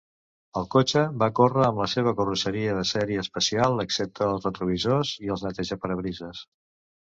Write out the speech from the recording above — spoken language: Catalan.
El cotxe va córrer amb la seva carrosseria de sèrie especial, excepte els retrovisors i els neteja-parabrises.